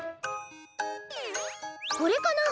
これかな？